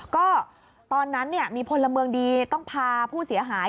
ก็ตอนนั้นมีพลเมืองดีต้องพาผู้เสียหาย